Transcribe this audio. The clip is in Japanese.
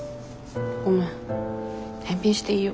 ごめん返品していいよ。